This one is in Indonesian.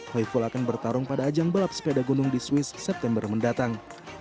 hoi full akan bertarung pada ajang balap sepeda gunung di swiss september mendatang